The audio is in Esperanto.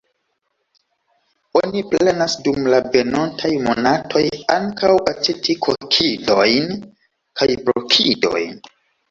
Oni planas dum la venontaj monatoj ankaŭ aĉeti kokidojn kaj porkidojn.